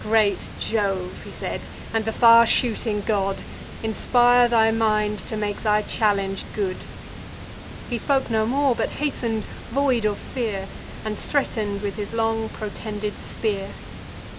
"Great Jove," he said, "and the far shooting god, Inspire thy mind to make thy challenge good!" He spoke no more; but hasten'd, void of fear, And threaten'd with his long protended spear.